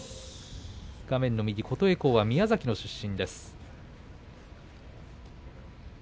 画面の右、琴恵光は宮崎の出身。